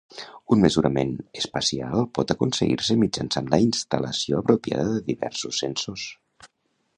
Un mesurament espacial pot aconseguir-se mitjançant la instal·lació apropiada de diversos sensors.